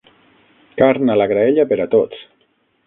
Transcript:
Carn a la graella per a tots